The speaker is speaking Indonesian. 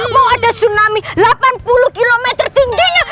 mau ada tsunami delapan puluh km tingginya